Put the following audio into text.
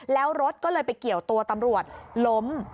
แล้วรถก็เลยไปเกี่ยวตัวตำรวจล้ม